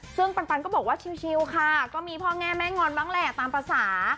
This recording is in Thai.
ซึ่งปันก็บอกว่าชิลค่ะก็มีพ่อแม่แม่งอนบ้างแหละตามภาษา